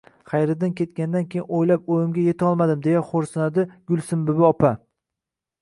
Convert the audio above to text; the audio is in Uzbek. Xayriddin ketganidan keyin o`ylab o`yimga etolmadim, deya xo`rsinadi Gulsimbibi opa